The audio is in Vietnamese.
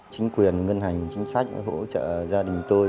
chính quyền ngân hàng chính sách hỗ trợ gia đình tôi